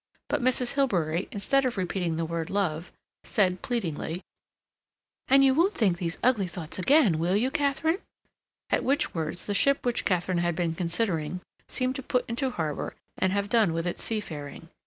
But Mrs. Hilbery, instead of repeating the word love, said pleadingly: "And you won't think those ugly thoughts again, will you, Katharine?" at which words the ship which Katharine had been considering seemed to put into harbor and have done with its seafaring.